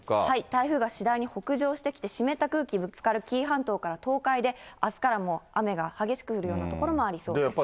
台風が次第に北上してきて、湿った空気ぶつかる紀伊半島から東海で、あすからもう雨が激しく降るような所もありそうです。